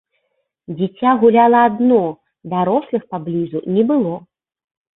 Дзіця гуляла адно, дарослых паблізу не было.